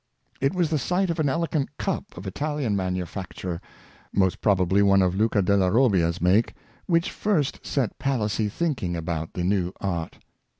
It was the sight of an elegant cup of Italian manu acture — most probably one of Luca della Robbia's make — which first set Palissy thinking about the new art.